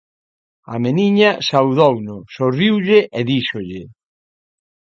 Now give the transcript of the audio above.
A meniña saudouno, sorriulle e díxolle: